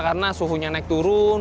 karena suhunya naik turun